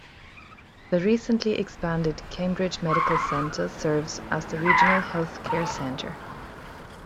The recently expanded Cambridge Medical Center serves as the regional health care center.